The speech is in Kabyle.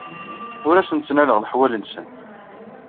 Ur asen-ttnaleɣ leḥwal-nsen.